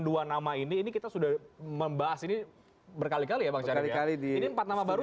dua nama ini ini kita sudah membahas ini berkali kali yang sekali kali di empat nama baru